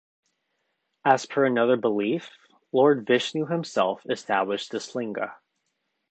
As per another belief, Lord Vishnu himself established this linga.